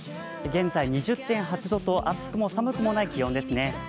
現在、２０．８度と暑くも寒くもない気温ですね。